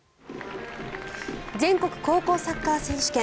全国高校サッカー選手権。